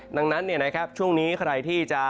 ดังนั้นช่วงนี้ใครที่จะ